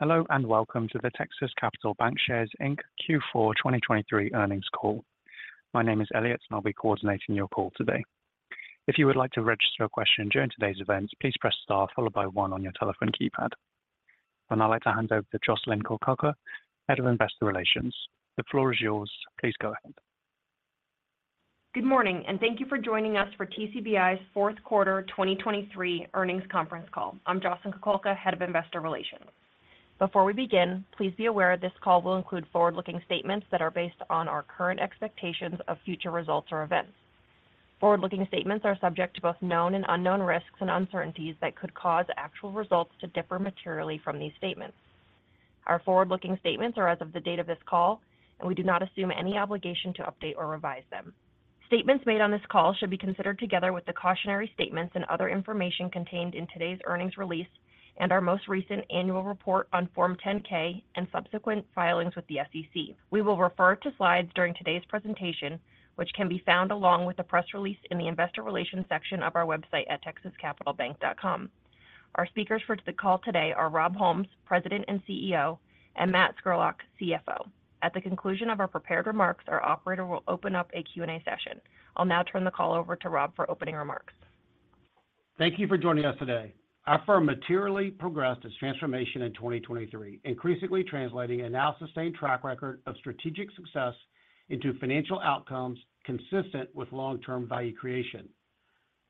Hello, and welcome to the Texas Capital Bancshares, Inc. Q4 2023 earnings call. My name is Elliot, and I'll be coordinating your call today. If you would like to register a question during today's event, please press star followed by one on your telephone keypad. I'd now like to hand over to Jocelyn Kukulka, Head of Investor Relations. The floor is yours. Please go ahead. Good morning, and thank you for joining us for TCBI's Q4 2023 earnings conference call. I'm Jocelyn Kukulka, Head of Investor Relations. Before we begin, please be aware this call will include forward-looking statements that are based on our current expectations of future results or events. Forward-looking statements are subject to both known and unknown risks and uncertainties that could cause actual results to differ materially from these statements. Our forward-looking statements are as of the date of this call, and we do not assume any obligation to update or revise them. Statements made on this call should be considered together with the cautionary statements and other information contained in today's earnings release and our most recent annual report on Form 10-K and subsequent filings with the SEC. We will refer to slides during today's presentation, which can be found along with the press release in the Investor Relations section of our website at texascapitalbank.com. Our speakers for the call today are Rob Holmes, President and CEO, and Matt Scurlock, CFO. At the conclusion of our prepared remarks, our operator will open up a Q&A session. I'll now turn the call over to Rob for opening remarks. Thank you for joining us today. Our firm materially progressed its transformation in 2023, increasingly translating a now sustained track record of strategic success into financial outcomes consistent with long-term value creation.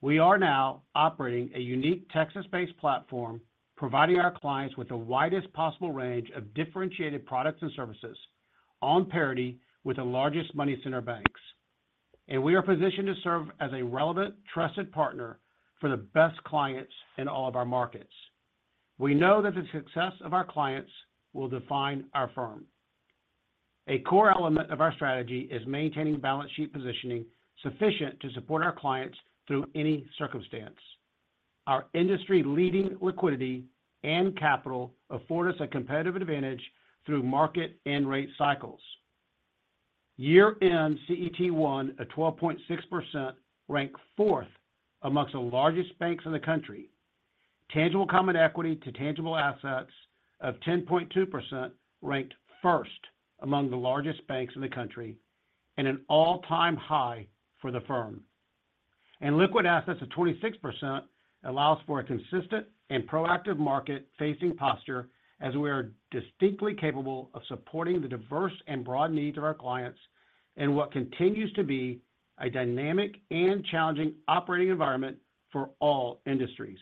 We are now operating a unique Texas-based platform, providing our clients with the widest possible range of differentiated products and services on parity with the largest money center banks. We are positioned to serve as a relevant, trusted partner for the best clients in all of our markets. We know that the success of our clients will define our firm. A core element of our strategy is maintaining balance sheet positioning sufficient to support our clients through any circumstance. Our industry-leading liquidity and capital afford us a competitive advantage through market and rate cycles. Year-end CET1, at 12.6%, ranked fourth among the largest banks in the country. Tangible common equity to tangible assets of 10.2% ranked first among the largest banks in the country, and an all-time high for the firm. Liquid assets of 26% allows for a consistent and proactive market-facing posture, as we are distinctly capable of supporting the diverse and broad needs of our clients in what continues to be a dynamic and challenging operating environment for all industries.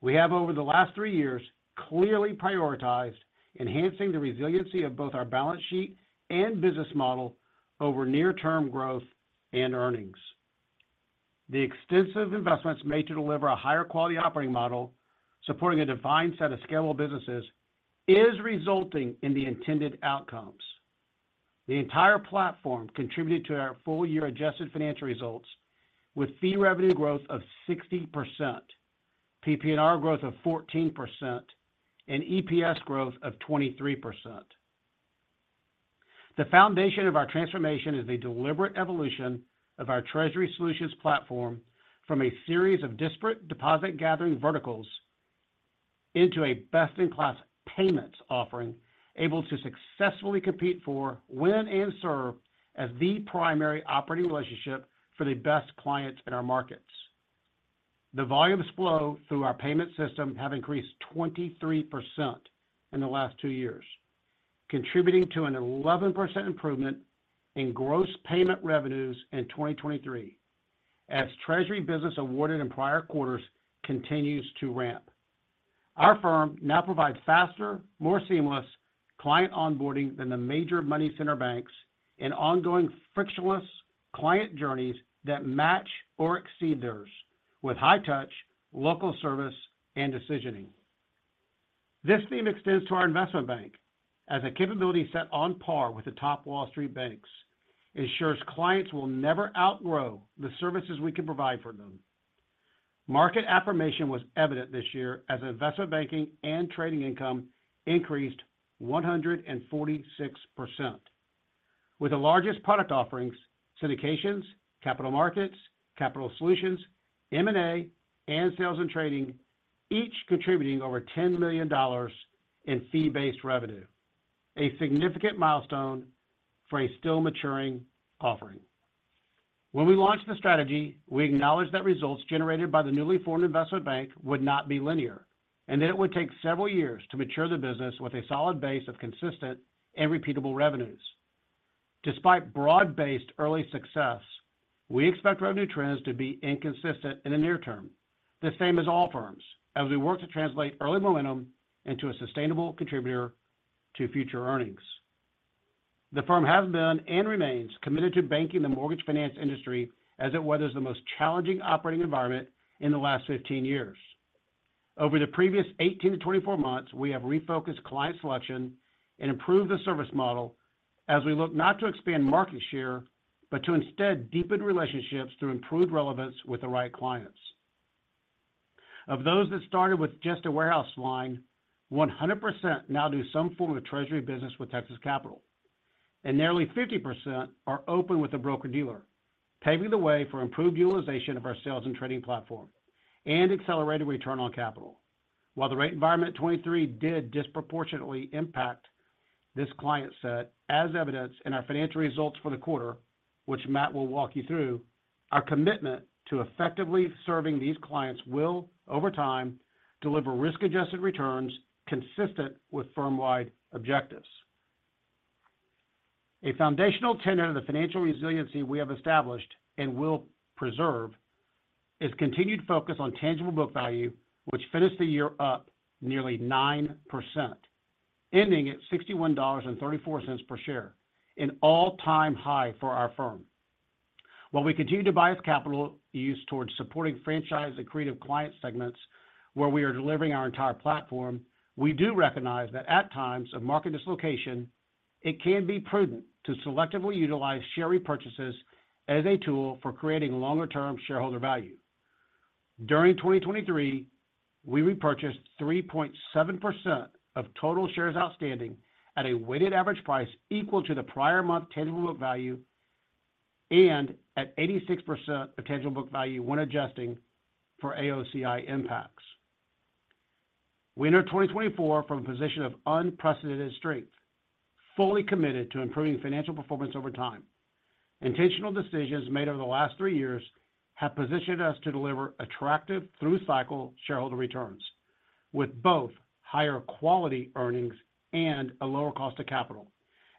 We have, over the last 3 years, clearly prioritized enhancing the resiliency of both our balance sheet and business model over near-term growth and earnings. The extensive investments made to deliver a higher quality operating model, supporting a defined set of scalable businesses, is resulting in the intended outcomes. The entire platform contributed to our full-year adjusted financial results with fee revenue growth of 60%, PPNR growth of 14%, and EPS growth of 23%. The foundation of our transformation is a deliberate evolution of our Treasury Solutions platform from a series of disparate deposit gathering verticals into a best-in-class payments offering, able to successfully compete for, win, and serve as the primary operating relationship for the best clients in our markets. The volumes flow through our payment system have increased 23% in the last two years, contributing to an 11% improvement in gross payment revenues in 2023 as treasury business awarded in prior quarters continues to ramp. Our firm now provides faster, more seamless client onboarding than the major money center banks and ongoing frictionless client journeys that match or exceed theirs with high touch, local service, and decisioning. This theme extends to Investment Bank, as a capability set on par with the top Wall Street banks ensures clients will never outgrow the services we can provide for them. Market affirmation was evident this Investment Banking and trading income increased 146%, with the largest product capital solutions, Sales and Trading, each contributing over $10 million in fee-based revenue, a significant milestone for a still maturing offering. When we launched the strategy, we acknowledged that results generated by the newly Investment Bank would not be linear, and that it would take several years to mature the business with a solid base of consistent and repeatable revenues. Despite broad-based early success, we expect revenue trends to be inconsistent in the near term, the same as all firms, as we work to translate early momentum into a sustainable contributor to future earnings. The firm has been, and remains, committed to Mortgage Finance industry as it weathers the most challenging operating environment in the last 15 years. Over the previous 18-24 months, we have refocused client selection and improved the service model as we look not to expand market share, but to instead deepen relationships through improved relevance with the right clients. Of those that started with just a warehouse line, 100% now do some form of treasury business with Texas Capital... and nearly 50% are open with a broker-dealer, paving the way for Sales and Trading platform and accelerated return on capital. While the rate environment 2023 did disproportionately impact this client set, as evidenced in our financial results for the quarter, which Matt will walk you through, our commitment to effectively serving these clients will, over time, deliver risk-adjusted returns consistent with firm-wide objectives. A foundational tenet of the financial resiliency we have established and will preserve is continued focus on tangible book value, which finished the year up nearly 9%, ending at $61.34 per share, an all-time high for our firm. While we continue to bias capital use towards supporting franchise and creative client segments where we are delivering our entire platform, we do recognize that at times of market dislocation, it can be prudent to selectively utilize share repurchases as a tool for creating longer-term shareholder value. During 2023, we repurchased 3.7% of total shares outstanding at a weighted average price equal to the prior month tangible book value and at 86% of tangible book value when adjusting for AOCI impacts. We enter 2024 from a position of unprecedented strength, fully committed to improving financial performance over time. Intentional decisions made over the last three years have positioned us to deliver attractive through-cycle shareholder returns, with both higher quality earnings and a lower cost of capital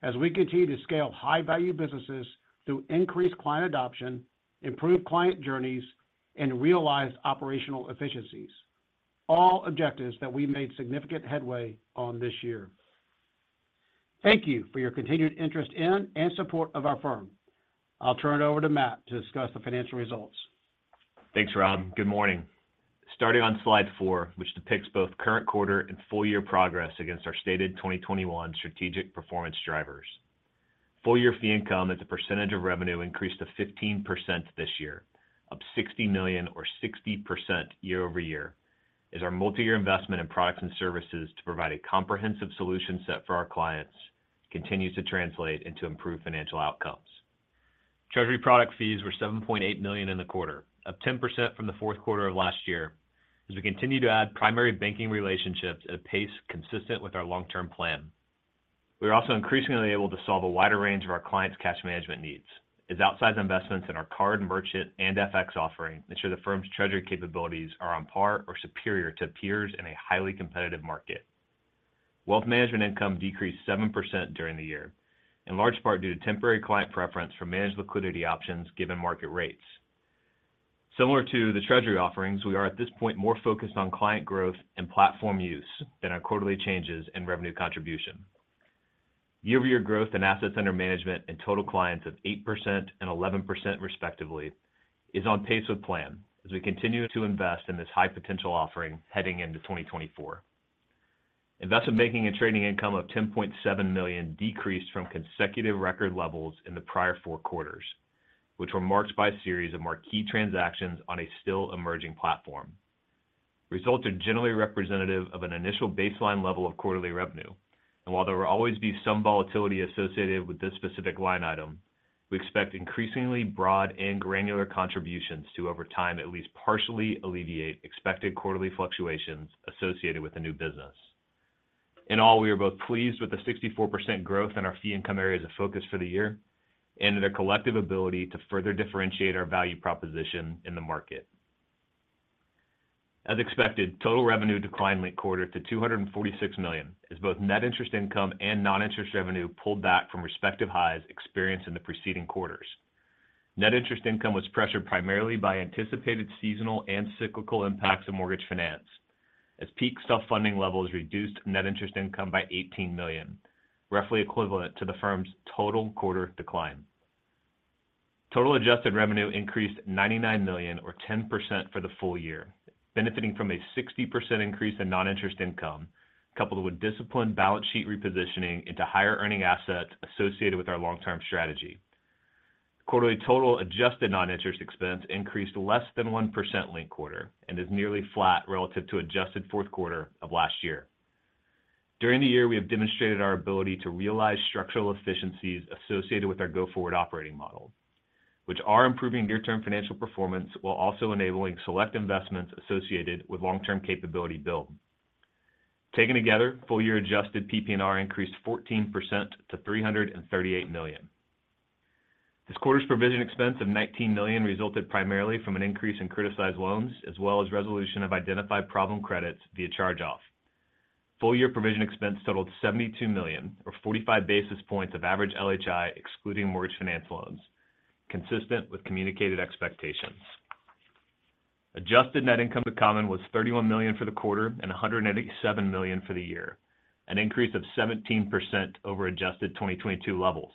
as we continue to scale high-value businesses through increased client adoption, improved client journeys, and realized operational efficiencies. All objectives that we made significant headway on this year. Thank you for your continued interest in and support of our firm. I'll turn it over to Matt to discuss the financial results. Thanks, Rob. Good morning. Starting on slide 4, which depicts both current quarter and full year progress against our stated 2021 strategic performance drivers. Full year fee income as a percentage of revenue increased to 15% this year, up $60 million or 60% year-over-year, as our multi-year investment in products and services to provide a comprehensive solution set for our clients continues to translate into improved financial outcomes. Treasury product fees were $7.8 million in the quarter, up 10% from the Q4 of last year, as we continue to add primary banking relationships at a pace consistent with our long-term plan. We are also increasingly able to solve a wider range of our clients' cash management needs, as outsized investments in our card, merchant, and FX offerings ensure the firm's treasury capabilities are on par or superior to peers in a highly competitive market. Wealth Management income decreased 7% during the year, in large part due to temporary client preference for managed liquidity options, given market rates. Similar to the treasury offerings, we are, at this point, more focused on client growth and platform use than our quarterly changes in revenue contribution. Year-over-year growth in assets under management and total clients of 8% and 11%, respectively, is on pace with plan as we continue to invest in this high-potential offering heading into 2024. Investment Banking and trading income of $10.7 million decreased from consecutive record levels in the prior four quarters, which were marked by a series of marquee transactions on a still emerging platform. Results are generally representative of an initial baseline level of quarterly revenue, and while there will always be some volatility associated with this specific line item, we expect increasingly broad and granular contributions to, over time, at least partially alleviate expected quarterly fluctuations associated with the new business. In all, we are both pleased with the 64% growth in our fee income areas of focus for the year and their collective ability to further differentiate our value proposition in the market. As expected, total revenue declined linked quarter to $246 million, as both net interest income and non-interest revenue pulled back from respective highs experienced in the preceding quarters. Net interest income was pressured primarily by anticipated seasonal cyclical impacts on Mortgage Finance, as peak self-funding levels reduced net interest income by $18 million, roughly equivalent to the firm's total quarter decline. Total adjusted revenue increased $99 million, or 10% for the full year, benefiting from a 60% increase in non-interest income, coupled with disciplined balance sheet repositioning into higher-earning assets associated with our long-term strategy. Quarterly total adjusted non-interest expense increased less than 1% linked quarter and is nearly flat relative to adjusted Q4 of last year. During the year, we have demonstrated our ability to realize structural efficiencies associated with our go-forward operating model, which are improving near-term financial performance, while also enabling select investments associated with long-term capability build. Taken together, full year adjusted PPNR increased 14% to $338 million. This quarter's provision expense of $19 million resulted primarily from an increase in criticized loans, as well as resolution of identified problem credits via charge-off. Full year provision expense totaled $72 million, or 45 basis points of lhi ex-Mortgage Finance loans, consistent with communicated expectations. Adjusted net income to common was $31 million for the quarter and $187 million for the year, an increase of 17% over adjusted 2022 levels.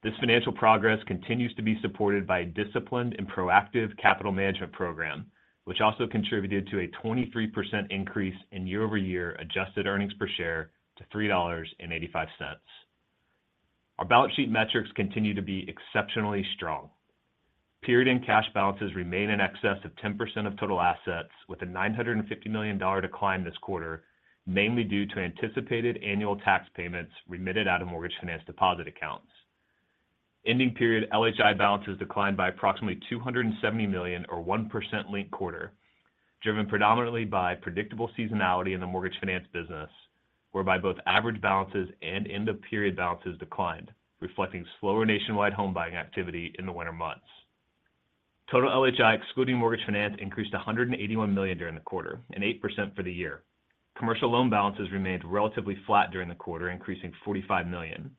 This financial progress continues to be supported by a disciplined and proactive capital management program, which also contributed to a 23% increase in year-over-year adjusted earnings per share to $3.85. Our balance sheet metrics continue to be exceptionally strong.... Period-end cash balances remain in excess of 10% of total assets, with a $950 million decline this quarter, mainly due to anticipated annual tax remitted out of Mortgage Finance deposit accounts. Ending period LHI balances declined by approximately $270 million or 1% linked-quarter, driven predominantly by predictable seasonality Mortgage Finance business, whereby both average balances and end-of-period balances declined, reflecting slower nationwide home buying activity in the winter months. lhi ex-Mortgage Finance, increased $181 million during the quarter and 8% for the year. Commercial loan balances remained relatively flat during the quarter, increasing $45 million,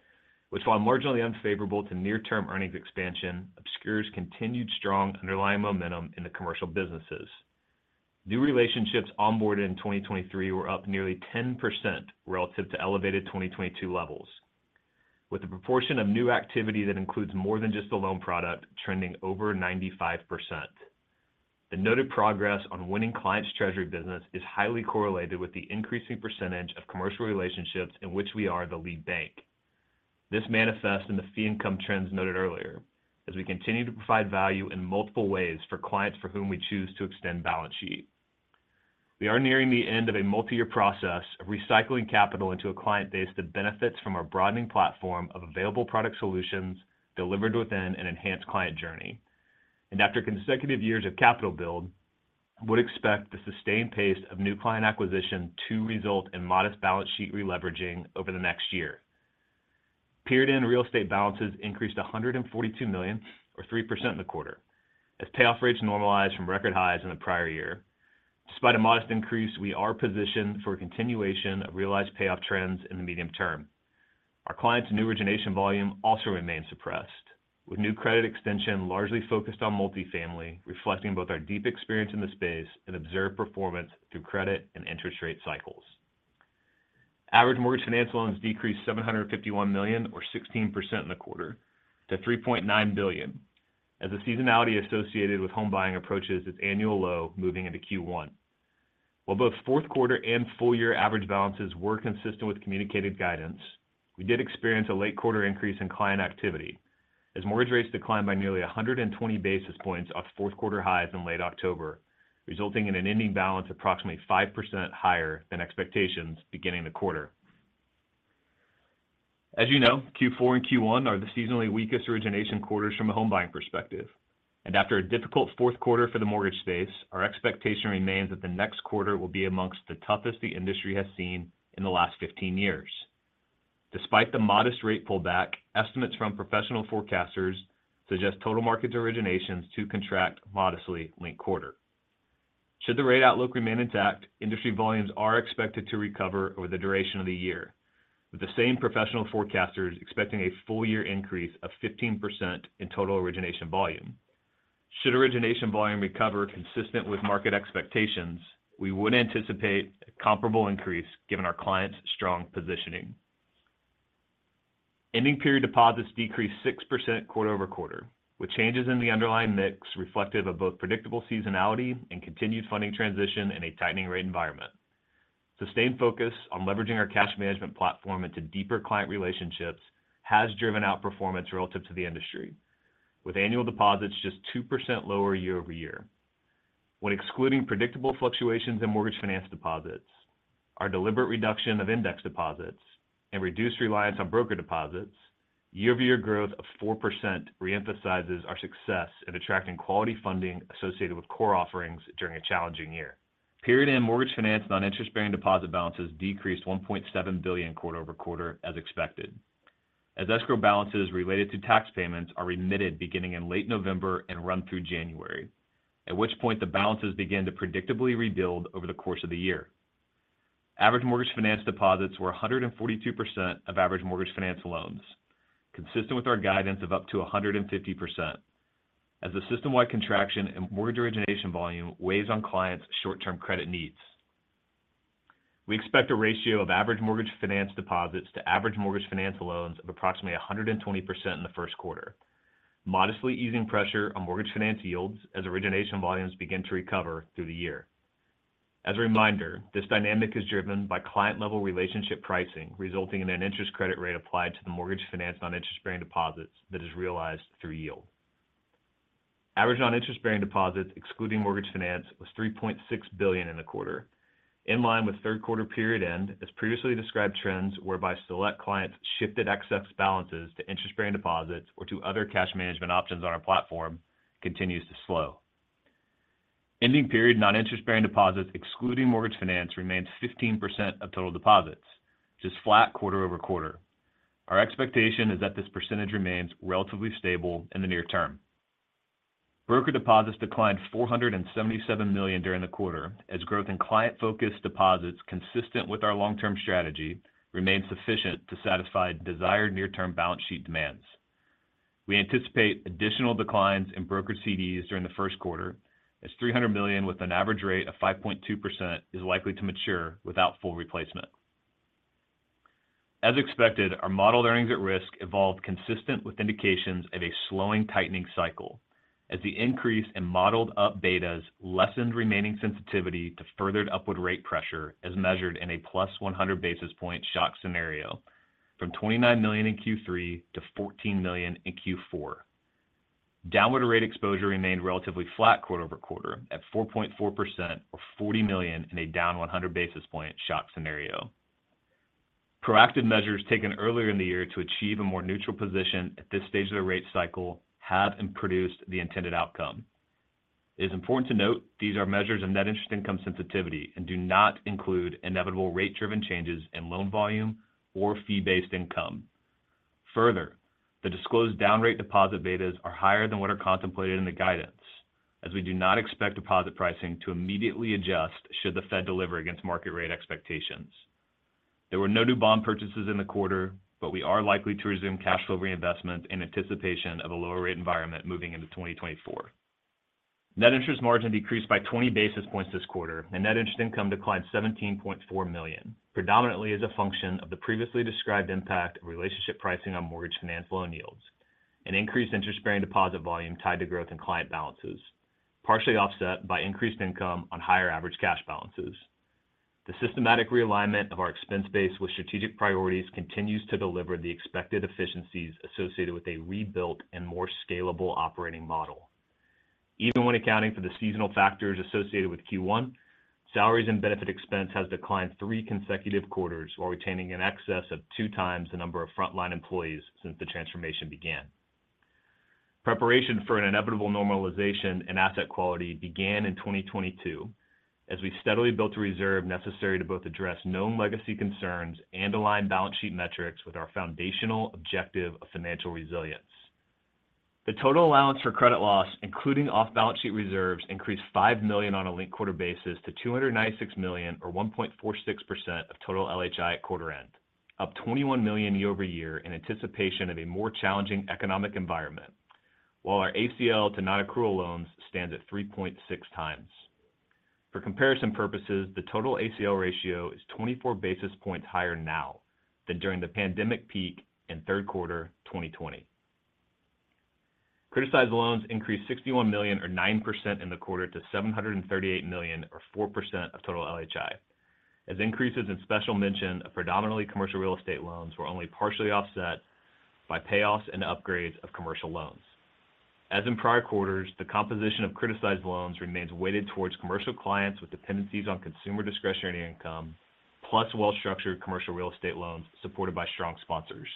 which, while marginally unfavorable to near-term earnings expansion, obscures continued strong underlying momentum in the commercial businesses. New relationships onboarded in 2023 were up nearly 10% relative to elevated 2022 levels, with a proportion of new activity that includes more than just the loan product trending over 95%. The noted progress on winning clients' treasury business is highly correlated with the increasing percentage of commercial relationships in which we are the lead bank. This manifests in the fee income trends noted earlier as we continue to provide value in multiple ways for clients for whom we choose to extend balance sheet. We are nearing the end of a multi-year process of recycling capital into a client base that benefits from our broadening platform of available product solutions delivered within an enhanced client journey. After consecutive years of capital build, would expect the sustained pace of new client acquisition to result in modest balance sheet releveraging over the next year. Period end real estate balances increased to $142 million, or 3% in the quarter, as payoff rates normalized from record highs in the prior year. Despite a modest increase, we are positioned for a continuation of realized payoff trends in the medium term. Our clients' new origination volume also remains suppressed, with new credit extension largely focused on multifamily, reflecting both our deep experience in the space and observed performance through credit and interest rate Mortgage Finance loans decreased $751 million, or 16% in the quarter, to $3.9 billion, as the seasonality associated with home buying approaches its annual low moving into Q1. While both Q4 and full year average balances were consistent with communicated guidance, we did experience a late quarter increase in client activity as mortgage rates declined by nearly 120 basis points off Q4 highs in late October, resulting in an ending balance approximately 5% higher than expectations beginning the quarter. As you know, Q4 and Q1 are the seasonally weakest origination quarters from a home buying perspective, and after a difficult Q4 for the mortgage space, our expectation remains that the next quarter will be amongst the toughest the industry has seen in the last 15 years. Despite the modest rate pullback, estimates from professional forecasters suggest total market originations to contract modestly linked quarter. Should the rate outlook remain intact, industry volumes are expected to recover over the duration of the year, with the same professional forecasters expecting a full year increase of 15% in total origination volume. Should origination volume recover consistent with market expectations, we would anticipate a comparable increase given our clients' strong positioning. Ending period deposits decreased 6% quarter-over-quarter, with changes in the underlying mix reflective of both predictable seasonality and continued funding transition in a tightening rate environment. Sustained focus on leveraging our cash management platform into deeper client relationships has driven outperformance relative to the industry, with annual deposits just 2% lower year-over-year. When excluding predictable Mortgage Finance deposits, our deliberate reduction of index deposits and reduced reliance on broker deposits, year-over-year growth of 4% re-emphasizes our success in attracting quality funding associated with core offerings during a challenging year. Mortgage Finance non-interest bearing deposit balances decreased $1.7 billion quarter-over-quarter as expected. As escrow balances related to tax payments are remitted beginning in late November and run through January, at which point the balances begin to predictably rebuild over the course of the Mortgage Finance deposits were 142% Mortgage Finance loans, consistent with our guidance of up to 150%. As the system-wide contraction in mortgage origination volume weighs on clients' short-term credit needs, we expect a ratio Mortgage Finance loans of approximately 120% in the Q1, modestly easing Mortgage Finance yields as origination volumes begin to recover through the year. As a reminder, this dynamic is driven by client-level relationship pricing, resulting in an interest credit rate applied Mortgage Finance non-interest bearing deposits that is realized through yield. Average non-interest bearing Mortgage Finance, was $3.6 billion in the quarter, in line with Q3 period end, as previously described trends whereby select clients shifted excess balances to interest-bearing deposits or to other cash management options on our platform continues to slow. Ending period non-interest bearing Mortgage Finance, remains 15% of total deposits, just flat quarter-over-quarter. Our expectation is that this percentage remains relatively stable in the near term. Broker deposits declined $477 million during the quarter, as growth in client-focused deposits consistent with our long-term strategy remained sufficient to satisfy desired near-term balance sheet demands. We anticipate additional declines in broker CDs during the Q1, as $300 million with an average rate of 5.2% is likely to mature without full replacement. As expected, our modeled earnings at risk evolved consistent with indications of a slowing tightening cycle as the increase in modeled up betas lessened remaining sensitivity to further upward rate pressure, as measured in a +100 basis point shock scenario.... from $29 million in Q3 to $14 million in Q4. Downward rate exposure remained relatively flat quarter-over-quarter at 4.4% or $40 million in a down 100 basis point shock scenario. Proactive measures taken earlier in the year to achieve a more neutral position at this stage of the rate cycle have produced the intended outcome. It is important to note these are measures of net interest income sensitivity and do not include inevitable rate-driven changes in loan volume or fee-based income. Further, the disclosed down rate deposit betas are higher than what are contemplated in the guidance, as we do not expect deposit pricing to immediately adjust should the Fed deliver against market rate expectations. There were no new bond purchases in the quarter, but we are likely to resume cash flow reinvestment in anticipation of a lower rate environment moving into 2024. Net interest margin decreased by 20 basis points this quarter, and net interest income declined $17.4 million, predominantly as a function of the previously described impact of relationship Mortgage Finance loan yields and increased interest-bearing deposit volume tied to growth in client balances, partially offset by increased income on higher average cash balances. The systematic realignment of our expense base with strategic priorities continues to deliver the expected efficiencies associated with a rebuilt and more scalable operating model. Even when accounting for the seasonal factors associated with Q1, salaries and benefit expense has declined 3 consecutive quarters while retaining in excess of 2 times the number of frontline employees since the transformation began. Preparation for an inevitable normalization in asset quality began in 2022, as we steadily built a reserve necessary to both address known legacy concerns and align balance sheet metrics with our foundational objective of financial resilience. The total allowance for credit loss, including off-balance sheet reserves, increased $5 million on a linked-quarter basis to $296 million, or 1.46% of total LHI at quarter end, up $21 million year-over-year in anticipation of a more challenging economic environment, while our ACL to non-accrual loans stands at 3.6 times. For comparison purposes, the total ACL ratio is 24 basis points higher now than during the pandemic peak in Q3 2020. Criticized loans increased $61 million, or 9% in the quarter, to $738 million, or 4% of total LHI, as increases in special mention of predominantly commercial real estate loans were only partially offset by payoffs and upgrades of commercial loans. As in prior quarters, the composition of criticized loans remains weighted towards commercial clients with dependencies on consumer discretionary income, plus well-structured commercial real estate loans supported by strong sponsors.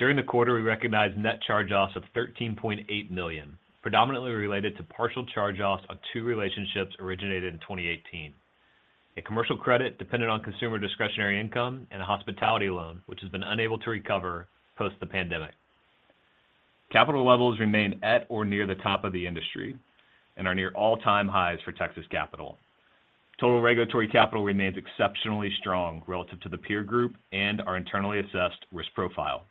During the quarter, we recognized net charge-offs of $13.8 million, predominantly related to partial charge-offs on two relationships originated in 2018: a commercial credit dependent on consumer discretionary income and a hospitality loan, which has been unable to recover post the pandemic. Capital levels remain at or near the top of the industry and are near all-time highs for Texas Capital. Total regulatory capital remains exceptionally strong relative to the peer group and our internally assessed risk profile.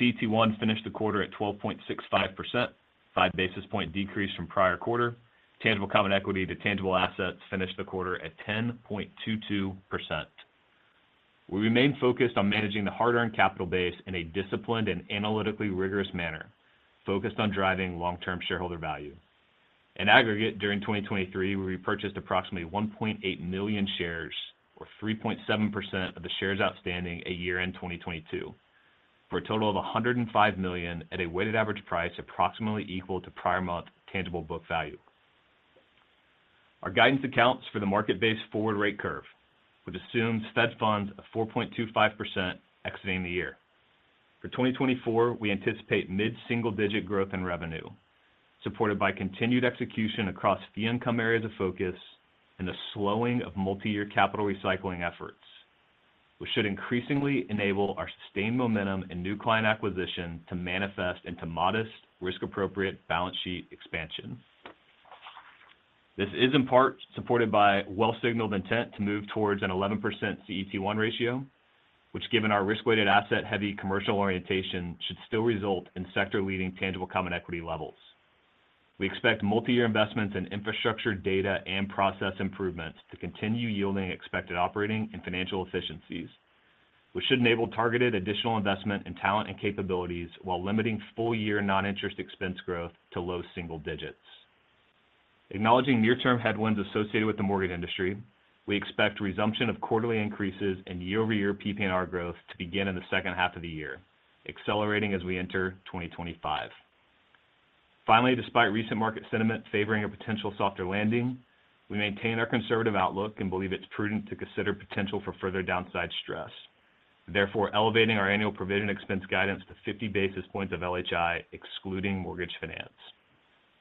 CET1 finished the quarter at 12.65%, 5 basis point decrease from prior quarter. Tangible common equity to tangible assets finished the quarter at 10.22%. We remain focused on managing the hard-earned capital base in a disciplined and analytically rigorous manner, focused on driving long-term shareholder value. In aggregate, during 2023, we repurchased approximately 1.8 million shares, or 3.7% of the shares outstanding at year-end 2022, for a total of $105 million at a weighted average price approximately equal to prior month tangible book value. Our guidance accounts for the market-based forward rate curve, which assumes Fed Funds of 4.25% exiting the year. For 2024, we anticipate mid-single-digit growth in revenue, supported by continued execution across fee income areas of focus and a slowing of multiyear capital recycling efforts, which should increasingly enable our sustained momentum in new client acquisition to manifest into modest, risk-appropriate balance sheet expansion. This is in part supported by well-signaled intent to move towards an 11% CET1 ratio, which, given our risk-weighted, asset-heavy commercial orientation, should still result in sector-leading tangible common equity levels. We expect multiyear investments in infrastructure, data, and process improvements to continue yielding expected operating and financial efficiencies, which should enable targeted additional investment in talent and capabilities while limiting full-year non-interest expense growth to low single digits. Acknowledging near-term headwinds associated with the mortgage industry, we expect resumption of quarterly increases in year-over-year PPNR growth to begin in the second half of the year, accelerating as we enter 2025. Finally, despite recent market sentiment favoring a potential softer landing, we maintain our conservative outlook and believe it's prudent to consider potential for further downside stress, therefore elevating our annual provision expense guidance to 50 basis points lhi ex-Mortgage Finance.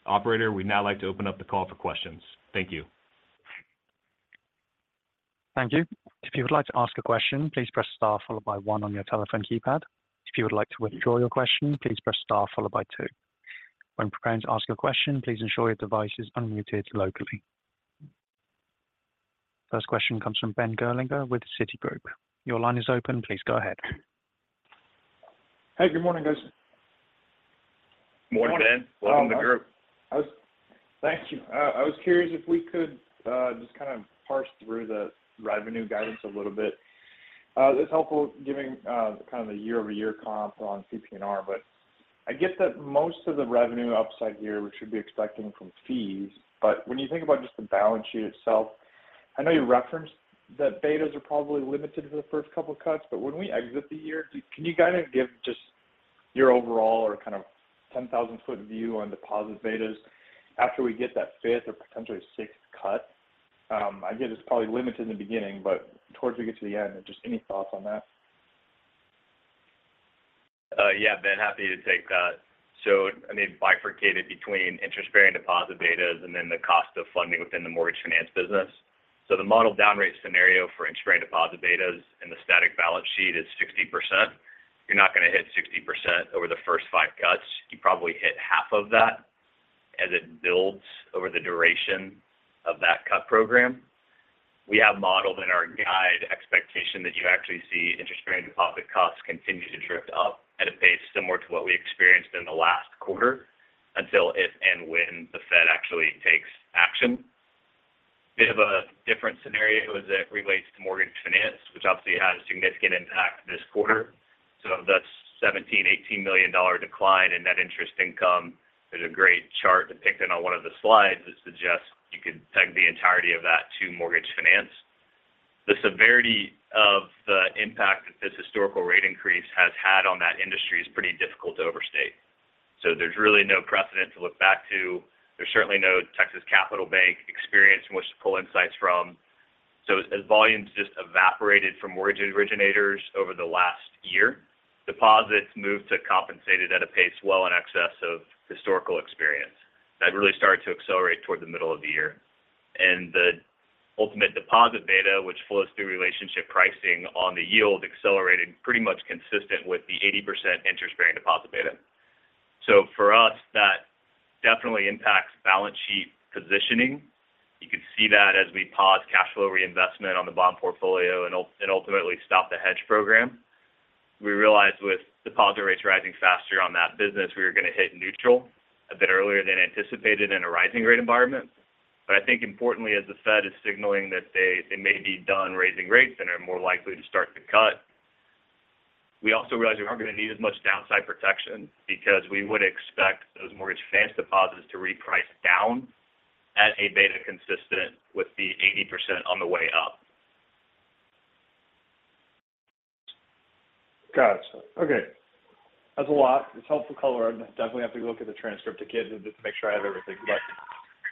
operator, we'd now like to open up the call for questions. Thank you. Thank you. If you would like to ask a question, please press star followed by 1 on your telephone keypad. If you would like to withdraw your question, please press star followed by 2. When preparing to ask your question, please ensure your device is unmuted locally. First question comes from Ben Gerlinger with Citigroup. Your line is open. Please go ahead. Hey, good morning, guys. Morning, Ben. Welcome to the group. Thank you. I was curious if we could just kind of parse through the revenue guidance a little bit. It's helpful giving kind of the year-over-year comp on PPNR, but I get that most of the revenue upside here we should be expecting from fees. But when you think about just the balance sheet itself... I know you referenced that betas are probably limited to the first couple of cuts, but when we exit the year, can you kind of give just your overall or kind of 10,000-foot view on deposit betas after we get that fifth or potentially sixth cut? I get it's probably limited in the beginning, but towards we get to the end, just any thoughts on that? Yeah, Ben, happy to take that. So I mean, bifurcated between interest bearing deposit betas and then the cost of funding Mortgage Finance business. so the model down rate scenario for interest bearing deposit betas in the static balance sheet is 60%. You're not going to hit 60% over the first five cuts. You probably hit half of that as it builds over the duration of that cut program. We have modeled in our guide expectation that you actually see interest bearing deposit costs continue to drift up at a pace similar to what we experienced in the last quarter, until if and when the Fed actually takes action. Bit of a different scenario as it Mortgage Finance, which obviously had a significant impact this quarter. So that's $17-$18 million dollar decline in net interest income. There's a great chart depicted on one of the slides that suggests you could peg the entirety of Mortgage Finance. the severity of the impact that this historical rate increase has had on that industry is pretty difficult to overstate. So there's really no precedent to look back to. There's certainly no Texas Capital Bank experience from which to pull insights from. So as volumes just evaporated from mortgage originators over the last year, deposits moved to compensated at a pace well in excess of historical experience. That really started to accelerate toward the middle of the year. And the ultimate deposit beta, which flows through relationship pricing on the yield, accelerated pretty much consistent with the 80% interest bearing deposit beta. So for us, that definitely impacts balance sheet positioning. You could see that as we pause cash flow reinvestment on the bond portfolio and ultimately stop the hedge program. We realized with deposit rates rising faster on that business, we were going to hit neutral a bit earlier than anticipated in a rising rate environment. But I think importantly, as the Fed is signaling that they may be done raising rates and are more likely to start to cut, we also realize we aren't going to need as much downside protection because we would Mortgage Finance deposits to reprice down at a beta consistent with the 80% on the way up. Got you. Okay, that's a lot. It's helpful color. I'm going to definitely have to look at the transcript again just to make sure I have everything.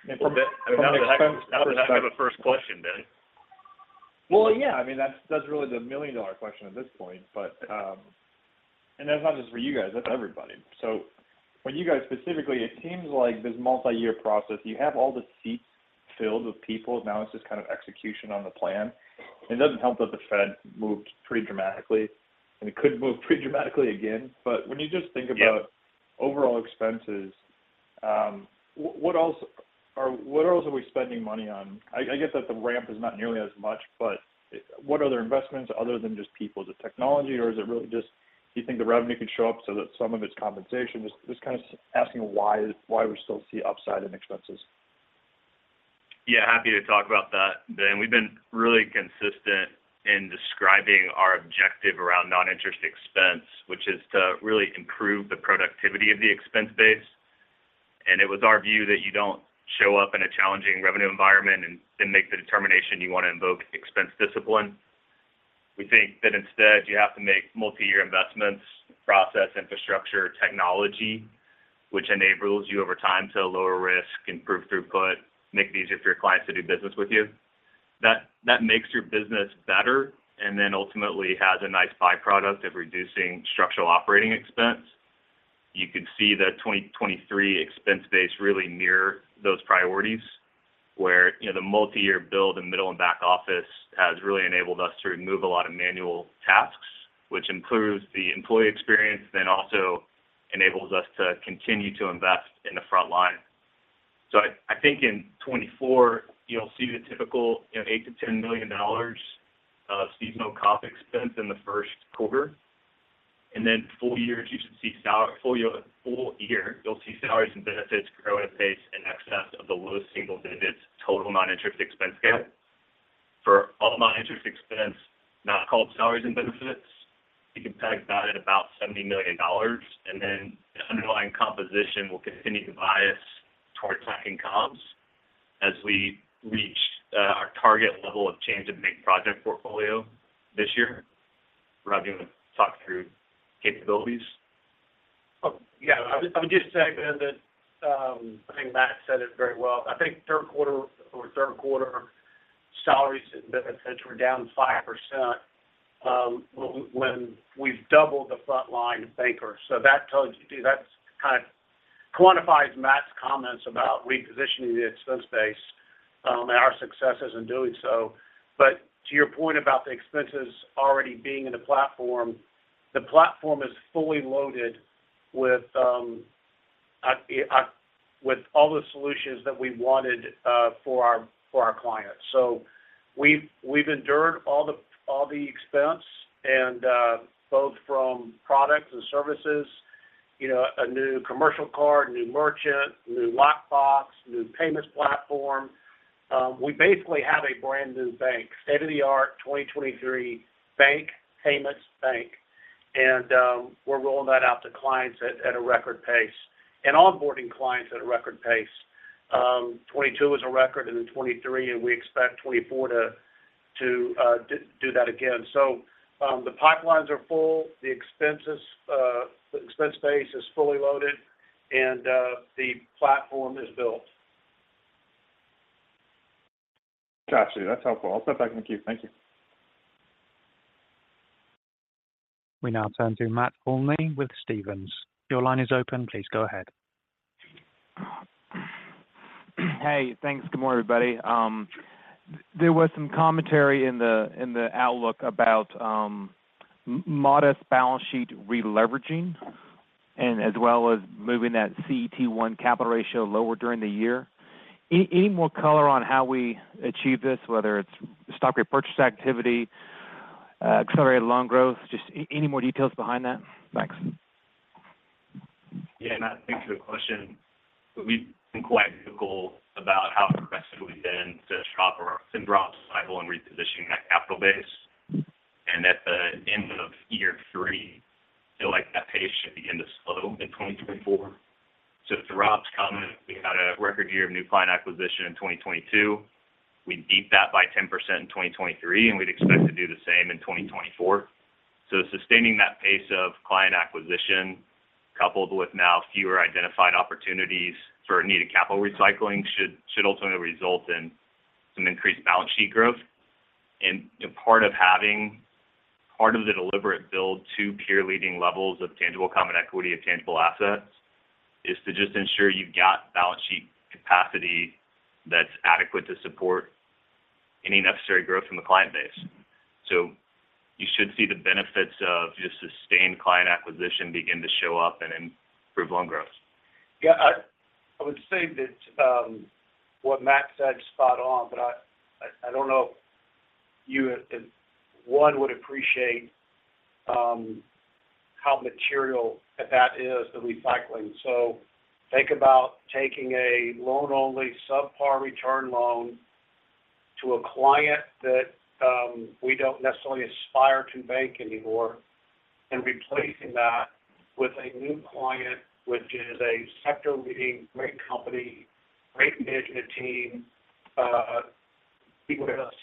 But- Now that I have a first question, Ben. Well, yeah, I mean, that's, that's really the million-dollar question at this point, but. That's not just for you guys, that's everybody. So for you guys specifically, it seems like this multi-year process, you have all the seats filled with people. Now it's just kind of execution on the plan. It doesn't help that the Fed moved pretty dramatically, and it could move pretty dramatically again. But when you just think- Yeah... about overall expenses, what else are we spending money on? I get that the ramp is not nearly as much, but what other investments other than just people? Is it technology or is it really just, do you think the revenue could show up so that some of it's compensation? Just kind of asking why we still see upside in expenses. Yeah, happy to talk about that. Ben, we've been really consistent in describing our objective around non-interest expense, which is to really improve the productivity of the expense base. It was our view that you don't show up in a challenging revenue environment and then make the determination you want to invoke expense discipline. We think that instead, you have to make multi-year investments, process, infrastructure, technology, which enables you over time to lower risk, improve throughput, make it easier for your clients to do business with you. That, that makes your business better, and then ultimately has a nice byproduct of reducing structural operating expense. You could see the 2023 expense base really mirror those priorities, where, you know, the multi-year build and middle and back office has really enabled us to remove a lot of manual tasks, which improves the employee experience, then also enables us to continue to invest in the front line. So I, I think in 2024, you'll see the typical $8 million-$10 million of seasonal comp expense in the Q1, and then full year, you should see full year, you'll see salaries and benefits grow at a pace in excess of the lowest single digits, total non-interest expense guide. For all non-interest expense, not called salaries and benefits, you can tag that at about $70 million, and then the underlying composition will continue to bias towards comp as we reach our target level of change in big project portfolio this year. Rob, do you want to talk through capabilities? Yeah. I would just say, Ben, that, I think Matt said it very well. I think Q3, or Q3, salaries and benefits were down 5%, when we've doubled the frontline bankers. So that tells you, that kind of quantifies Matt's comments about repositioning the expense base, and our successes in doing so. But to your point about the expenses already being in the platform, the platform is fully loaded with, with all the solutions that we wanted, for our, for our clients. So we've, we've endured all the, all the expense and, both from products and services, you know, a new commercial card, new merchant, new lockbox, new payments platform. We basically have a brand new bank, state-of-the-art 2023 bank, payments bank... we're rolling that out to clients at a record pace and onboarding clients at a record pace. 2022 was a record, and then 2023, and we expect 2024 to do that again. So, the pipelines are full, the expenses, the expense base is fully loaded, and the platform is built. Got you. That's helpful. I'll step back in the queue. Thank you. We now turn to Matt Olney with Stephens. Your line is open. Please go ahead. Hey, thanks. Good morning, everybody. There was some commentary in the outlook about modest balance sheet releveraging, as well as moving that CET1 capital ratio lower during the year. Any more color on how we achieve this, whether it's stock repurchase activity, accelerated loan growth, just any more details behind that? Thanks. Yeah, Matt, thanks for the question. We've been quite vocal about how aggressive we've been to shorten our funding cycle and repositioning that capital base. At the end of year three, I feel like that pace should begin to slow in 2024. So to Rob's comment, we had a record year of new client acquisition in 2022. We beat that by 10% in 2023, and we'd expect to do the same in 2024. So sustaining that pace of client acquisition, coupled with now fewer identified opportunities for needed capital recycling, should ultimately result in some increased balance sheet growth. And part of having, part of the deliberate build to peer leading levels of tangible common equity and tangible assets, is to just ensure you've got balance sheet capacity that's adequate to support any necessary growth in the client base. So you should see the benefits of just sustained client acquisition begin to show up and improve loan growth. Yeah, I, I would say that, what Matt said is spot on, but I, I don't know if you, as one, would appreciate, how material that is, the recycling. So think about taking a loan-only, subpar return loan to a client that, we don't necessarily aspire to bank anymore, and replacing that with a new client, which is a sector-leading, great company, great management team, people with us,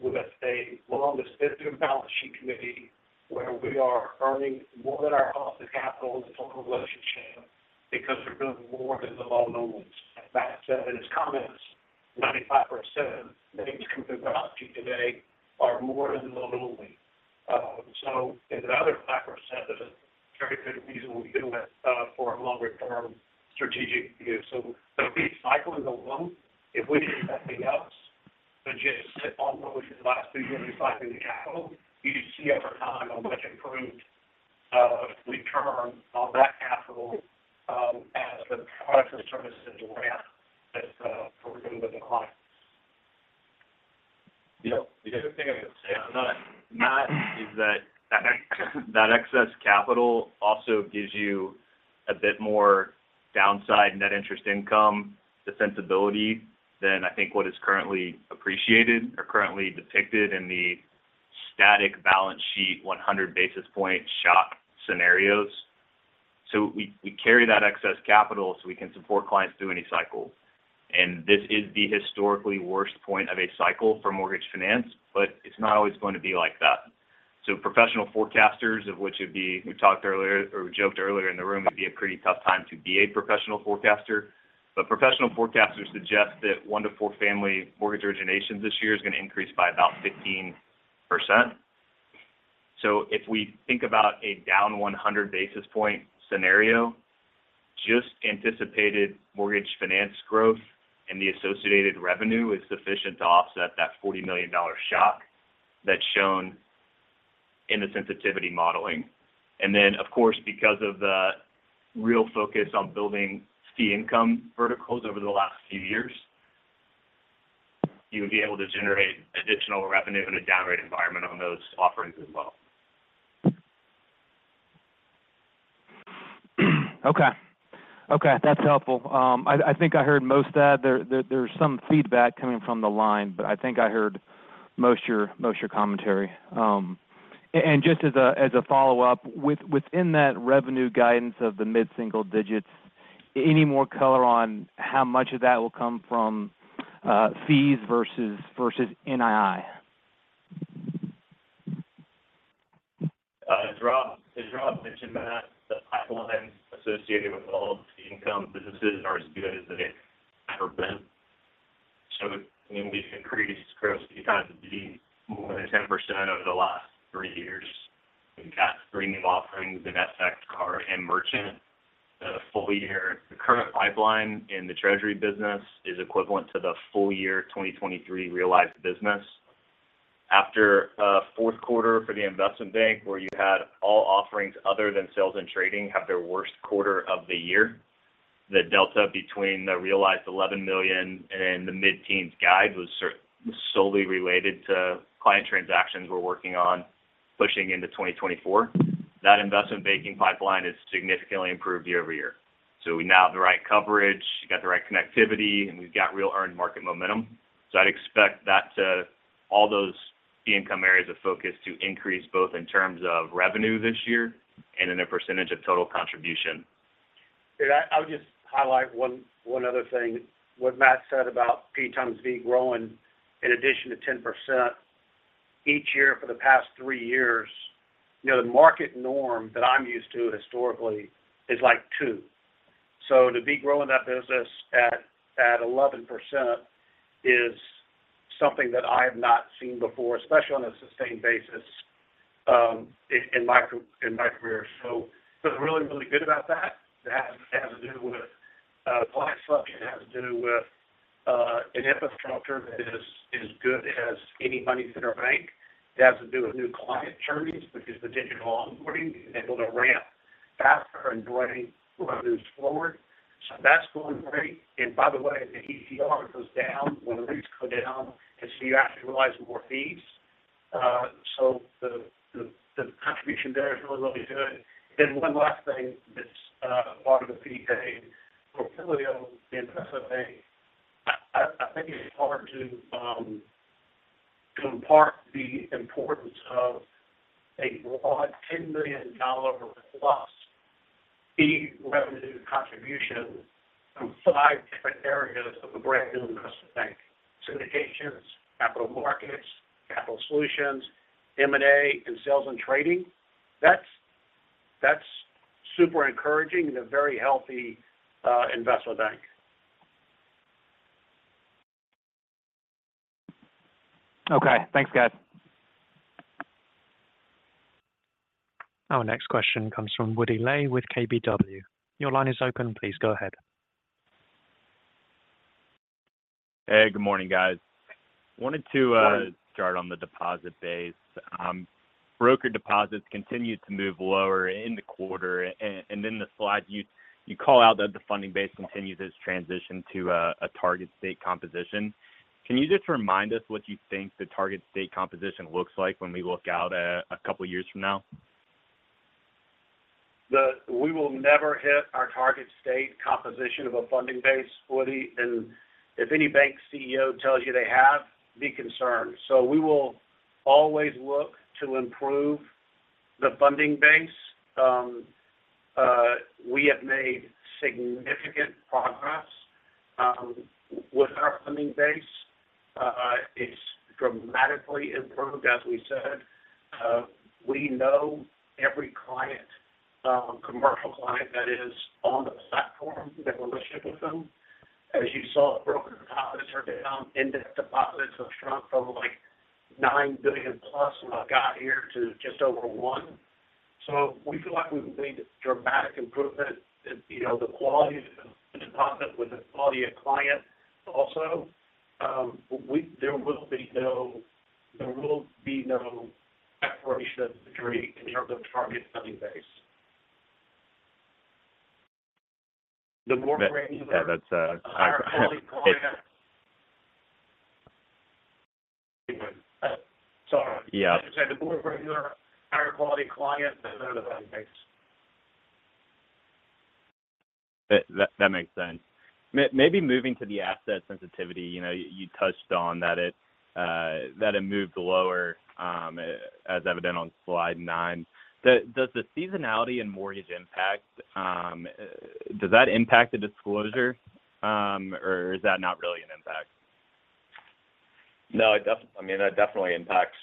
with a well-understood balance sheet committee, where we are earning more than our cost of capital in the total relationship because we're doing more than the loan only. As Matt said in his comments, 95% of the things we're talking today are more than the loan only. So there's another 5% that is a very good reason we do it, for a longer-term strategic view. So, these cycles alone, if we didn't do anything else, but just sit on what we've done in the last two years, recycling the capital, you could see over time a much improved return on that capital, as the products and services ramp that we're doing with the clients. Yeah. The good thing I would say, Matt, is that, that excess capital also gives you a bit more downside in net interest income, the sensibility than I think what is currently appreciated or currently depicted in the static balance sheet, 100 basis point shock scenarios. So we carry that excess capital, so we can support clients through any cycle. And this is the historically worst point of a Mortgage Finance, but it's not always going to be like that. So professional forecasters, of which it'd be, we talked earlier or we joked earlier in the room, it'd be a pretty tough time to be a professional forecaster. But professional forecasters suggest that one- to four-family mortgage originations this year is going to increase by about 15%. So if we think about a down 100 basis points scenario, Mortgage Finance growth and the associated revenue is sufficient to offset that $40 million shock that's shown in the sensitivity modeling. And then, of course, because of the real focus on building fee income verticals over the last few years, you would be able to generate additional revenue in a down rate environment on those offerings as well. Okay. Okay, that's helpful. I think I heard most of that. There's some feedback coming from the line, but I think I heard most of your commentary. And just as a follow-up, within that revenue guidance of the mid single digits, any more color on how much of that will come from fees versus NII? As Rob mentioned, Matt, the pipelines associated with all of the income businesses are as good as they've ever been. So when we've increased growth, because it's been more than 10% over the last three years. We've got three new offerings in FX, card, and merchant. The full-year, the current pipeline in the treasury business is equivalent to the full-year 2023 realized business. After a Q4 for Investment Bank, where you had Sales and Trading, have their worst quarter of the year, the delta between the realized $11 million and the mid-teens guide was solely related to client transactions we're working on pushing into Investment Banking pipeline is significantly improved year-over-year. So we now have the right coverage, we got the right connectivity, and we've got real earned market momentum. I'd expect that all those key income areas of focus to increase both in terms of revenue this year and in a percentage of total contribution. I'll just highlight one other thing. What Matt said about P times V growing in addition to 10% each year for the past three years. You know, the market norm that I'm used to historically is like two. So to be growing that business at 11% is something that I have not seen before, especially on a sustained basis, in my career. So what's really good about that is that it has to do with client selection, it has to do with an infrastructure that is good as any money center bank. It has to do with new client journeys, because the digital onboarding enabled a ramp faster and driving revenues forward. So that's going great. And by the way, the ECR goes down when the rates go down, and so you're actually realizing more fees. So the contribution there is really, really good. Then one last thing that's part of the fee play for a portfolio Investment Bank. i think it's hard to impart the importance of a broad $10 million plus fee revenue contribution from five different areas of a brand new capital solutions, Sales and Trading. that's super encouraging and a very healthy Investment Bank. Okay, thanks, guys. Our next question comes from Woody Lay with KBW. Your line is open. Please go ahead. Hey, good morning, guys. Wanted to, Good morning... start on the deposit base. Broker deposits continued to move lower in the quarter, and in the slide, you call out that the funding base continues its transition to a target state composition. Can you just remind us what you think the target state composition looks like when we look out a couple of years from now? We will never hit our target state composition of a funding base, Woody, and if any bank CEO tells you they have, be concerned. So we will always look to improve the funding base. We have made significant progress with our funding base. It's dramatically improved, as we said. We know every client, commercial client that is on the platform, the relationship with them. As you saw, broker deposits are down, index deposits have shrunk from, like, $9 billion+ when I got here to just over $1 billion. So we feel like we've made a dramatic improvement in, you know, the quality of the deposit with the quality of client also. There will be no, there will be no acceleration of the degree in terms of target funding base. The more- Yeah, that's. Higher quality client. Sorry. Yeah. I said, the more regular, higher quality client, the better the funding base. That makes sense. Maybe moving to the asset sensitivity, you know, you touched on that it moved lower, as evident on slide nine. Does the seasonality and mortgage impact the disclosure, or is that not really an impact? No, I mean, that definitely impacts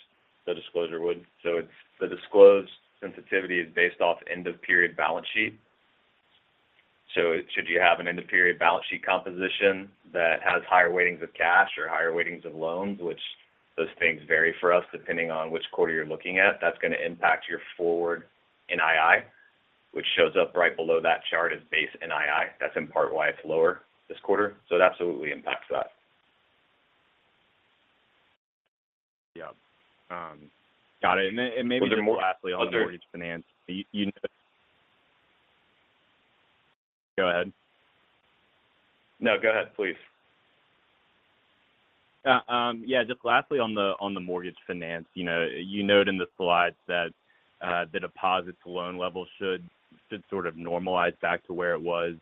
the disclosure, Wood. So it's the disclosed sensitivity is based off end-of-period balance sheet. So should you have an end-of-period balance sheet composition that has higher weightings of cash or higher weightings of loans, which those things vary for us, depending on which quarter you're looking at, that's going to impact your forward NII, which shows up right below that chart as base NII. That's in part why it's lower this quarter. So it absolutely impacts that. Yeah. Got it. And then, maybe more lastly Mortgage Finance. you-- go ahead. No, go ahead, please. Yeah, just lastly Mortgage Finance. you know, you noted in the slides that the deposits to loan levels should sort of normalize back to where it was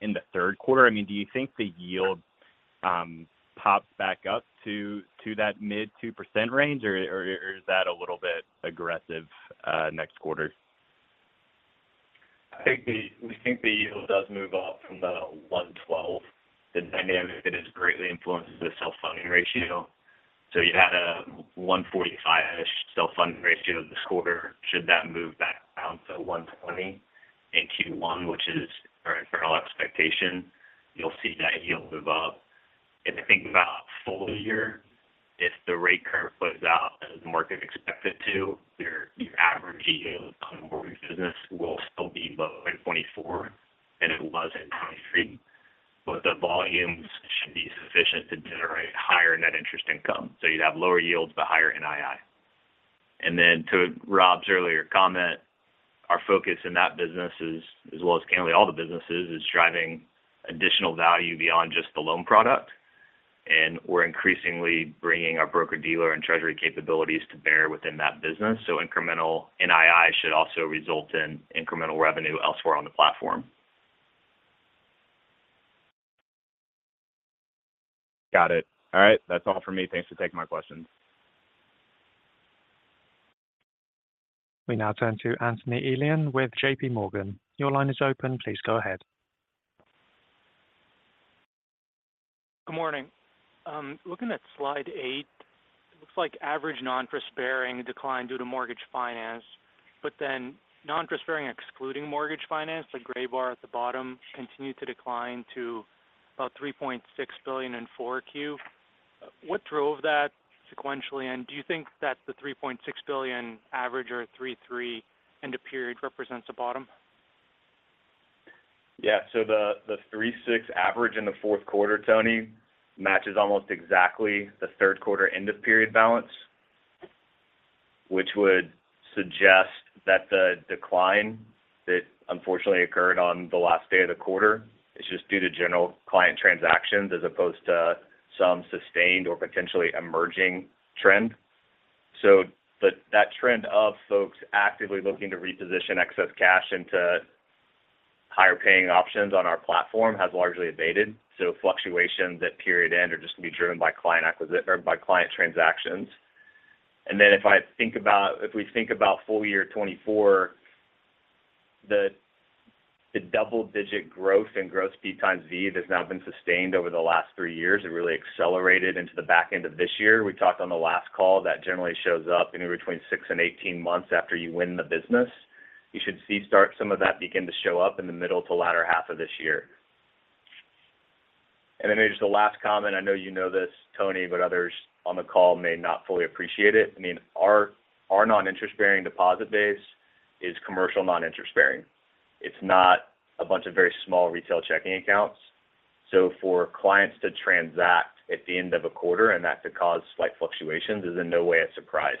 in the Q3. I mean, do you think the yield pops back up to that mid-2% range, or is that a little bit aggressive next quarter? I think we think the yield does move up from the 1.12. The dynamic, it is greatly influences the self-funding ratio. So you had a 1.45-ish self-funding ratio this quarter. Should that move back down to 1.20 in Q1, which is our internal expectation, you'll see that yield move up. If you think about full year, if the rate curve plays out as market expect it to, your, your average yield on mortgage business will still be low in 2024, and it was in 2023, but the volumes should be sufficient to generate higher net interest income. So you'd have lower yields, but higher NII. And then to Rob's earlier comment, our focus in that business is, as well as currently all the businesses, is driving additional value beyond just the loan product. and we're increasingly bringing our broker-dealer and treasury capabilities to bear within that business. So incremental NII should also result in incremental revenue elsewhere on the platform. Got it. All right, that's all for me. Thanks for taking my questions. We now turn to Anthony Elian with J.P. Morgan. Your line is open. Please go ahead. Good morning. Looking at slide 8, it looks like average non-interest-bearing due to Mortgage Finance, but then Mortgage Finance, the gray bar at the bottom, continued to decline to about $3.6 billion in Q4. What drove that sequentially? And do you think that the $3.6 billion average or $3.3 end of period represents a bottom? Yeah. So the 3.6 average in the Q4, Tony, matches almost exactly the Q3 end-of-period balance, which would suggest that the decline that unfortunately occurred on the last day of the quarter is just due to general client transactions as opposed to some sustained or potentially emerging trend. So but that trend of folks actively looking to reposition excess cash into higher-paying options on our platform has largely abated. So fluctuations at period end are just going to be driven by client acquisition or by client transactions. And then if I think about if we think about full year 2024, the double-digit growth in gross TPV that's now been sustained over the last 3 years, it really accelerated into the back end of this year. We talked on the last call that generally shows up anywhere between 6 and 18 months after you win the business. You should see some of that begin to show up in the middle to latter half of this year. And then just a last comment. I know you know this, Tony, but others on the call may not fully appreciate it. I mean, our non-interest-bearing deposit base is commercial non-interest-bearing. It's not a bunch of very small retail checking accounts. So for clients to transact at the end of a quarter, and that to cause slight fluctuations is in no way a surprise.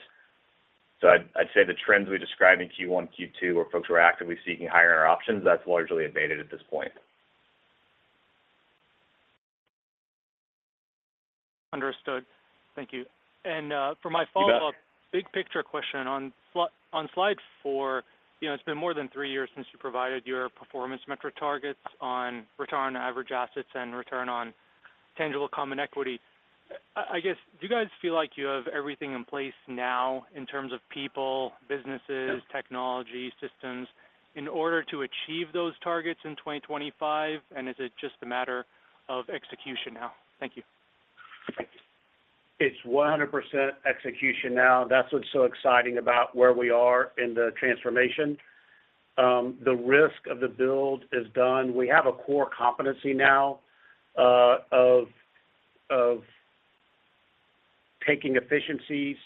So I'd say the trends we described in Q1, Q2, where folks were actively seeking higher options, that's largely abated at this point. Understood. Thank you. You bet. For my follow-up, big picture question on Slide 4, you know, it's been more than three years since you provided your performance metric targets on return on average assets and return on tangible common equity. I guess, do you guys feel like you have everything in place now in terms of people, businesses- Yep... technology, systems, in order to achieve those targets in 2025? And is it just a matter of execution now? Thank you. It's 100% execution now. That's what's so exciting about where we are in the transformation. The risk of the build is done. We have a core competency now, of taking efficiencies,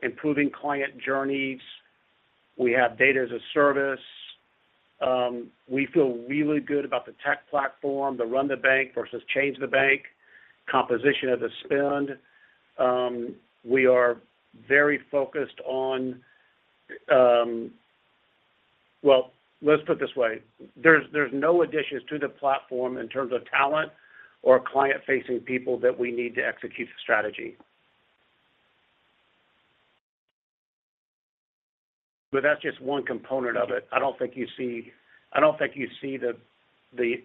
improving client journeys. We have Data-as-a-Service. We feel really good about the tech platform, the Run the Bank versus Change the Bank, composition of the spend. We are very focused on... Well, let's put it this way: there's no additions to the platform in terms of talent or client-facing people that we need to execute the strategy. But that's just one component of it. I don't think you see. I don't think you see the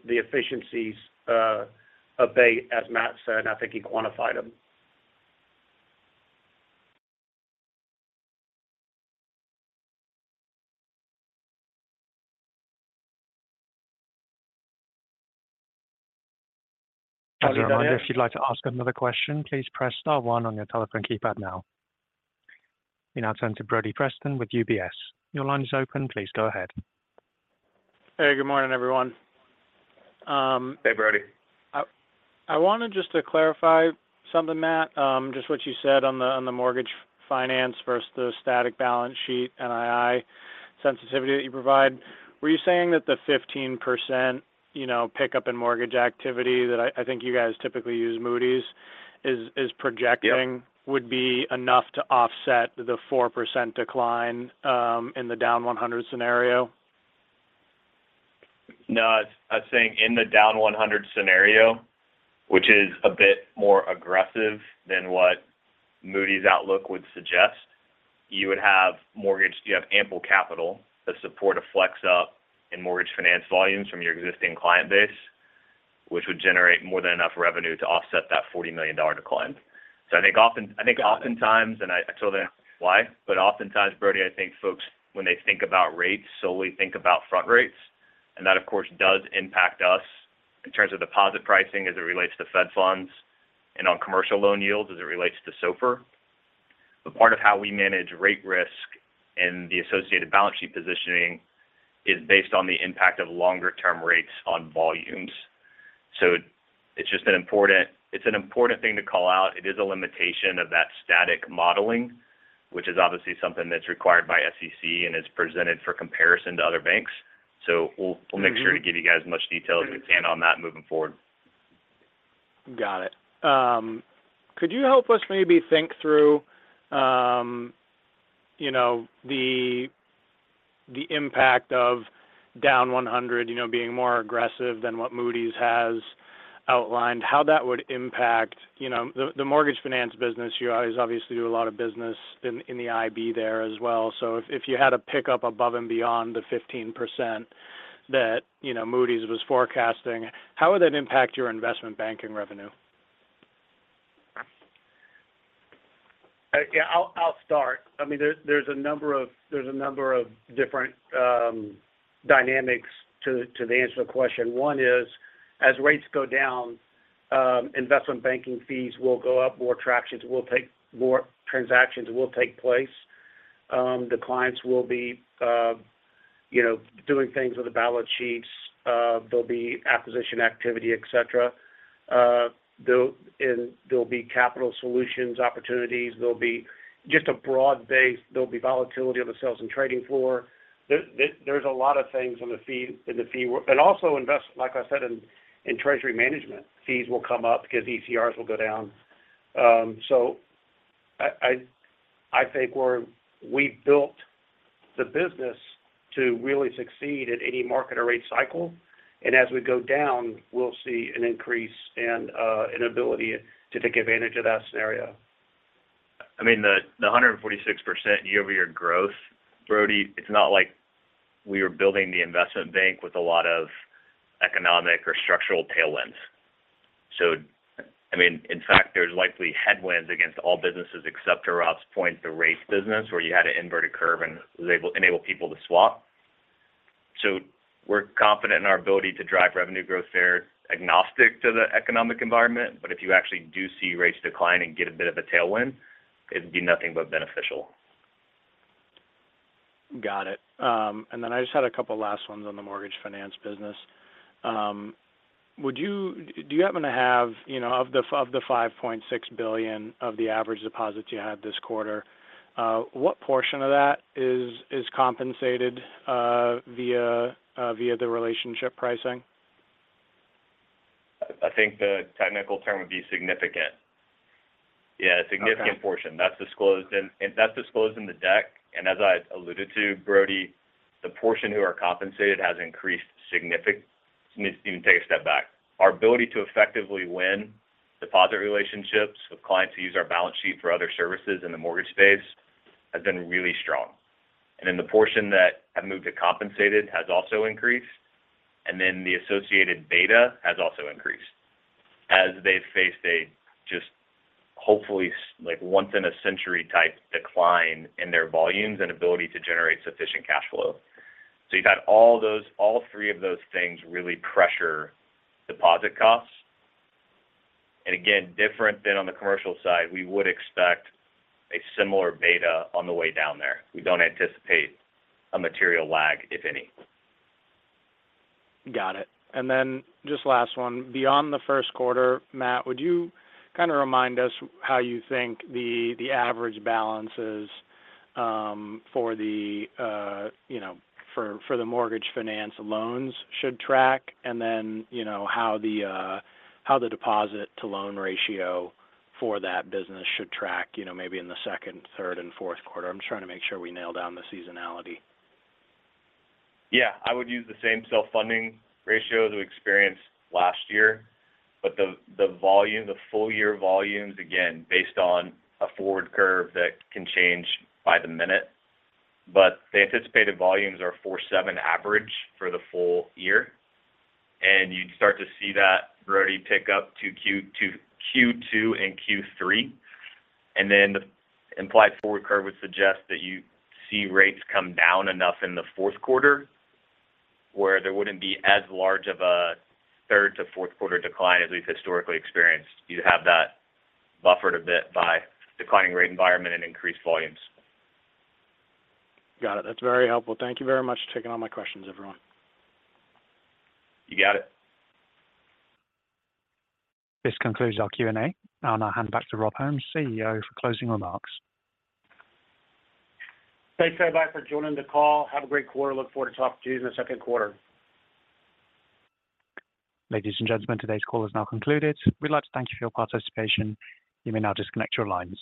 efficiencies abate, as Matt said, and I think he quantified them. As a reminder, if you'd like to ask another question, please press star one on your telephone keypad now. We now turn to Brodie Preston with UBS. Your line is open. Please go ahead. Hey, good morning, everyone. Hey, Brodie. I wanted just to clarify something, Matt, just what you said Mortgage Finance versus the static balance sheet NII sensitivity that you provide. Were you saying that the 15%, you know, pickup in mortgage activity that I think you guys typically use Moody's, is projecting- Yep - would be enough to offset the 4% decline in the down 100 scenario? No, I was saying in the down 100 scenario, which is a bit more aggressive than what Moody's outlook would suggest, you would have mortgage-- you have ample capital to support a flex Mortgage Finance volumes from your existing client base, which would generate more than enough revenue to offset that $40 million decline. So I think often- Got it. I think oftentimes, and I told you why, but oftentimes, Brodie, I think folks, when they think about rates, solely think about front rates. And that, of course, does impact us in terms of deposit pricing as it relates to Fed funds and on commercial loan yields as it relates to SOFR. But part of how we manage rate risk and the associated balance sheet positioning is based on the impact of longer-term rates on volumes. So it's just an important thing to call out. It is a limitation of that static modeling, which is obviously something that's required by SEC and is presented for comparison to other banks. So we'll- We'll make sure to give you guys as much detail as we can on that moving forward. Got it. Could you help us maybe think through, you know, the impact of down 100, you know, being more aggressive than what Moody's has outlined, how that would impact, you Mortgage Finance business. you always obviously do a lot of business in the IB there as well. So if you had a pickup above and beyond the 15% that, you know, Moody's was forecasting, how would that impact Investment Banking revenue? Yeah, I'll start. I mean, there's a number of different dynamics to answer the question. One is, as rates Investment Banking fees will go up, more transactions will take place. The clients will be, you know, doing things with the balance sheets, there'll be acquisition activity, et cetera. There'll Capital Solutions opportunities. There'll be just a broad base. There'll Sales and Trading floor. there's a lot of things in the fee. And also, like I said, Treasury Management, fees will come up because ECRs will go down. So I think we built the business to really succeed at any market or rate cycle, and as we go down, we'll see an increase and an ability to take advantage of that scenario. I mean, the 146% year-over-year growth, Brodie, it's not like we are building Investment Bank with a lot of economic or structural tailwinds. So, I mean, in fact, there's likely headwinds against all businesses except, to Rob's point, the Rates business, where you had an inverted curve and was able, enabled people to swap. So we're confident in our ability to drive revenue growth there, agnostic to the economic environment. But if you actually do see rates decline and get a bit of a tailwind, it'd be nothing but beneficial. Got it. And then I just had a couple last ones Mortgage Finance business. would you do you happen to have, you know, of the 5, of the $5.6 billion of the average deposits you had this quarter, what portion of that is, is compensated via, via the relationship pricing? I think the technical term would be significant. Yeah- Okay. Significant portion. That's disclosed in, that's disclosed in the deck. As I alluded to, Brodie, the portion who are compensated has increased significantly—let me take a step back. Our ability to effectively win deposit relationships with clients who use our balance sheet for other services in the mortgage space has been really strong. And then the portion that have moved to compensated has also increased, and then the associated beta has also increased. As they've faced a, just hopefully, like, once-in-a-century type decline in their volumes and ability to generate sufficient cash flow. So you've had all those—all three of those things really pressure deposit costs. And again, different than on the commercial side, we would expect a similar beta on the way down there. We don't anticipate a material lag, if any. Got it. And then just last one. Beyond the Q1, Matt, would you kind of remind us how you think the average balances Mortgage Finance loans should track? And then, you know, how the deposit to loan ratio for that business should track, you know, maybe in the second, third, and Q4? I'm just trying to make sure we nail down the seasonality. Yeah. I would use the same self-funding ratio that we experienced last year, but the volume, the full year volumes, again, based on a forward curve that can change by the minute. But the anticipated volumes are 4-7 average for the full year, and you'd start to see that, Brodie, pick up to Q2 and Q3. And then the implied forward curve would suggest that you see rates come down enough in the Q4, where there wouldn't be as large of a third to Q4 decline as we've historically experienced. You'd have that buffered a bit by declining rate environment and increased volumes. Got it. That's very helpful. Thank you very much for taking all my questions, everyone. You got it. This concludes our Q&A. I'll now hand back to Rob Holmes, CEO, for closing remarks. Thanks, everybody, for joining the call. Had a great quarter. Look forward to talking to you in the Q2. Ladies and gentlemen, today's call is now concluded. We'd like to thank you for your participation. You may now disconnect your lines.